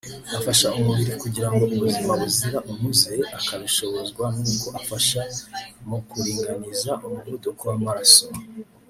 Afasha umubiri kugira ubuzima buzira umuze akabishobozwa nuko afasha mu kuringaniza umuvuduko w’amaraso